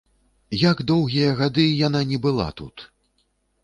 Як доўгія гады яна не была тут!